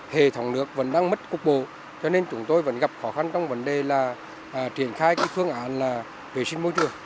hệ thống nước vẫn đang mất cục bộ cho nên chúng tôi vẫn gặp khó khăn trong vấn đề là triển khai phương án là vệ sinh môi trường